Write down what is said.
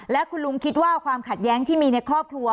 และคุณลุงคิดว่าความขัดแย้งที่มีในครอบครัว